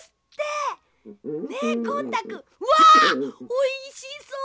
おいしそう！